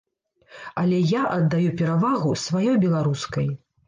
Але я аддаю перавагу сваёй беларускай.